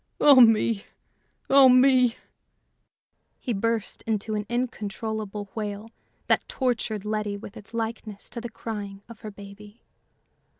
Oh me! oh me!" He burst into an incontrollable wail that tortured Letty with its likeness to the crying of her baby.